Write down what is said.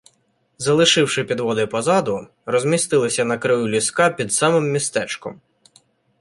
Залишивши підводи позаду, розмістилися на краю ліска під самим містечком.